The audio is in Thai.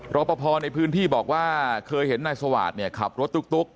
รอปภในพื้นที่บอกว่าเคยเห็นนายสวาสตร์เนี่ยขับรถตุ๊ก